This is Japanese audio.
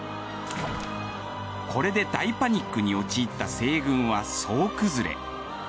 これで大パニックに陥った西軍は総崩れ。